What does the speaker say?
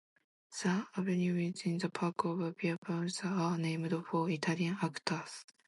The avenues within the park of Via Proba Petronia are named for Italian actors.